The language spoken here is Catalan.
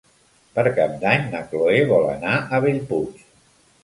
Per Cap d'Any na Cloè vol anar a Bellpuig.